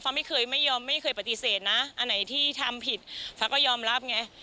ไม่เคยไม่ยอมไม่เคยปฏิเสธนะอันไหนที่ทำผิดฟ้าก็ยอมรับไง